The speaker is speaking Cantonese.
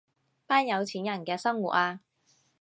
班有錢人嘅生活啊